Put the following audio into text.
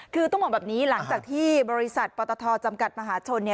คือต้องบอกแบบนี้หลังจากที่บริษัทปตทจำกัดมหาชน